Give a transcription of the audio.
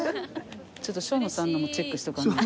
ちょっと生野さんのもチェックしとかないと。